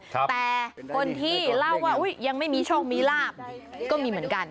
แต่คนที่เล่าว่ายังไม่มีโชคมีลาบก็มีเหมือนกัน